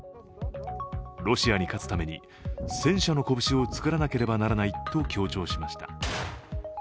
ロシアに勝つために、戦車の拳を作らなければならないと強調しました。